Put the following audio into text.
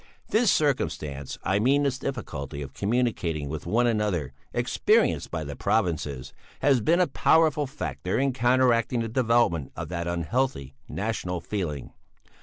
This circumstance I mean the difficulty of communicating with one another, experienced by the provinces has been a powerful factor in counteracting the development of that unhealthy national feeling.